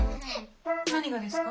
何がですか？